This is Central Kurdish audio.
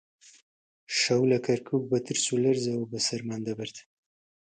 شەو لە کەرکووک بە ترس و لەرزەوە بەسەرمان برد